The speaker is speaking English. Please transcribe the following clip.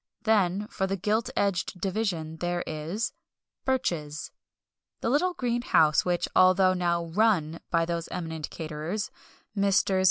Then, for the "gilt edged" division there is Birch's, the little green house which, although now "run" by those eminent caterers, Messrs.